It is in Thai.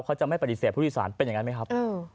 เขาจะไม่ปฏิเสธผู้โดยสารเป็นอย่างนั้นไหมครับ